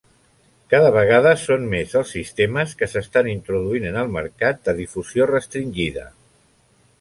Cada vegada són més els sistemes que s'estan introduint en el mercat de difusió restringida.